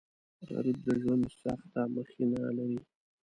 غریب د ژوند سخته مخینه لري